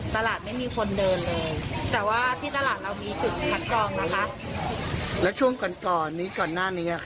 ตอนนี้มีโควิดก็ลูกค้าต่างจังหวัดไม่มาเลยค่ะมีเงียบมากค่ะ